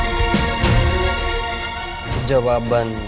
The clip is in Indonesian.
ya sudah saya sudah liat kamu di rumahrahosa sekarang